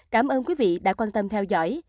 cảm ơn quý vị đã quan tâm theo dõi